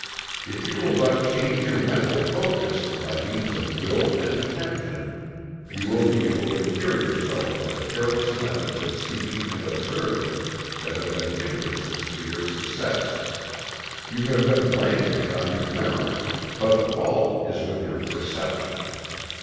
If you will but change your mental focus, by means of will and attention, you will be able to cure yourself of the careless methods of seeing and observing that have been hindrances to your success. You have been blaming it on your memory, but the fault is with your perception.